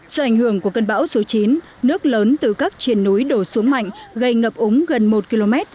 do ảnh hưởng của cơn bão số chín nước lớn từ các triền núi đổ xuống mạnh gây ngập úng gần một km